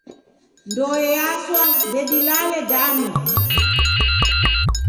Ndoe yaswa ndedilale danu.